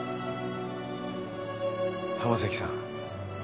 浜崎さん。